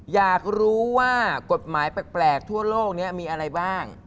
อยากรู้ว่ากฎหมายแปลกทั่วโลกนี้มีอะไรบ้าง